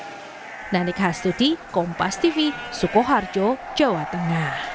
untuk menjaga kesehatan domba kita harus memperbaiki kekuatan